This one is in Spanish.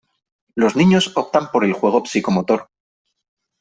Los niños optan por el juego psicomotor.